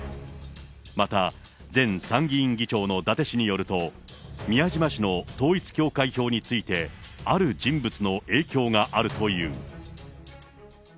また、前参議院議長の伊達氏によると、宮島氏の統一教会票について、ある人物の影響があるという。